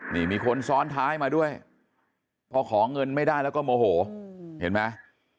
นี่มีคนซ้อนท้ายมาด้วยพอขอเงินไม่ได้แล้วก็โมโหเห็นไหม